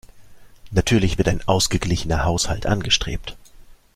Natürlich wird ein ausgeglichener Haushalt angestrebt.